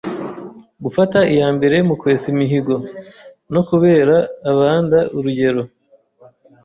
vGufata iyambere mu kwesa imihigo, no kubera abanda urugero.